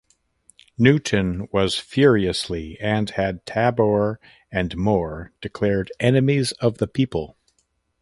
Newton was furiously and had Tabor and Moore declared "enemies of the people".